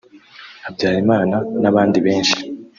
Habyarimana n’abandi benshi)